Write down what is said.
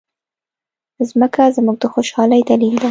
مځکه زموږ د خوشالۍ دلیل ده.